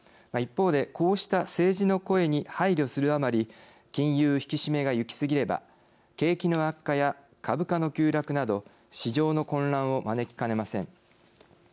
一方で、こうした政治の声に配慮するあまり金融引き締めがいきすぎれば景気の悪化や株価の急落など市場の混乱を招きかねません。